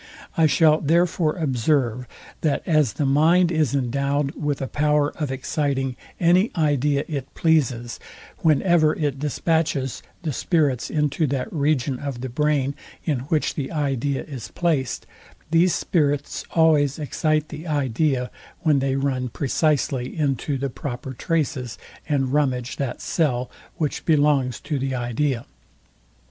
I shall therefore observe, that as the mind is endowed with a power of exciting any idea it pleases; whenever it dispatches the spirits into that region of the brain, in which the idea is placed; these spirits always excite the idea, when they run precisely into the proper traces, and rummage that cell, which belongs to the idea.